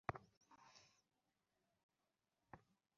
তাঁদের বিশ্বাস নেই, তাই ভরসা নেই।